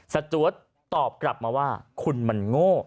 จวดตอบกลับมาว่าคุณมันโง่